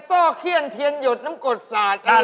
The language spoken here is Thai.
โซ่เครียนเทียนหยดน้ำกรดสัตว์ก็ดเลย